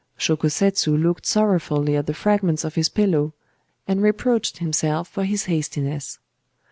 Shōko Setsu looked sorrowfully at the fragments of his pillow, and reproached himself for his hastiness.